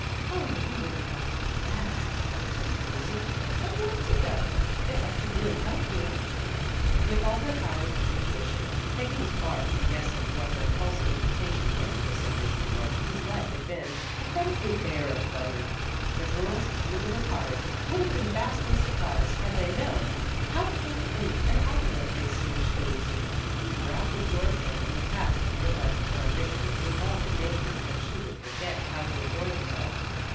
"Oh, you wouldn't have to do that," protested Lucy; "I'd love to go if I could really help you." With all her powers of intuition, Peggy was far from guessing what her impulsive invitation meant to this ambitious girl whose life had been pathetically bare of pleasure. The girls of Dolittle Cottage would have been vastly surprised had they known how carefree and opulent they seemed to Lucy, whose rapt absorption in the task of realizing her ambition involved the danger that she would forget how to enjoy herself.